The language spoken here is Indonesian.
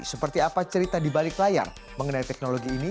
seperti apa cerita di balik layar mengenai teknologi ini